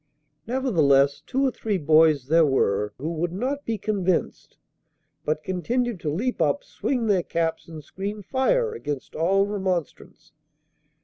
Nevertheless, two or three boys there were who would not be convinced, but continued to leap up, swing their caps, and scream "Fire!" against all remonstrance.